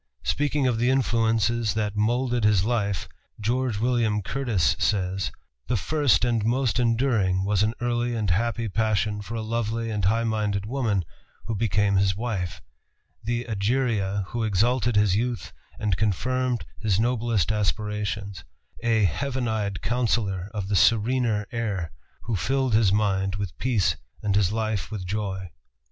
Speaking of the influences that moulded his life, George William Curtis says: "The first and most enduring was an early and happy passion for a lovely and high minded woman who became his wife the Egeria who exalted his youth and confirmed his noblest aspirations; a heaven eyed counsellor of the serener air, who filled his mind with peace and his life with joy."